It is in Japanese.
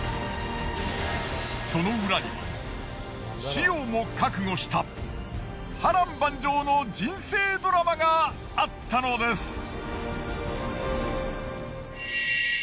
その裏には死をも覚悟した波乱万丈の人生ドラマがあったのです。